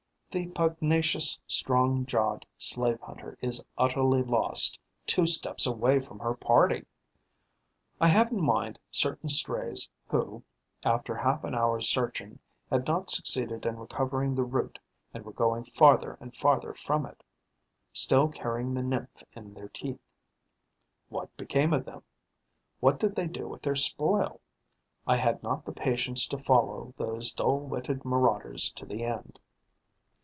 The pugnacious, strong jawed slave hunter is utterly lost two steps away from her party. I have in mind certain strays who, after half an hour's searching, had not succeeded in recovering the route and were going farther and farther from it, still carrying the nymph in their teeth. What became of them? What did they do with their spoil? I had not the patience to follow those dull witted marauders to the end.